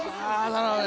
なるほど。